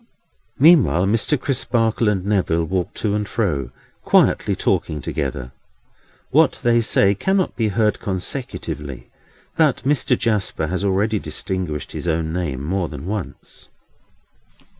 Meanwhile Mr. Crisparkle and Neville walk to and fro, quietly talking together. What they say, cannot be heard consecutively; but Mr. Jasper has already distinguished his own name more than once.